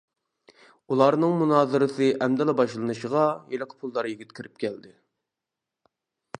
ئۇلارنىڭ مۇنازىرىسى ئەمدىلا باشلىنىشىغا ھېلىقى پۇلدار يىگىت كىرىپ كەلدى.